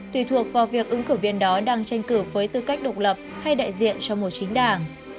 tùy thuộc vào việc ứng cử viên đó đang tranh cử với tư cách độc lập hay đại diện cho một chính đảng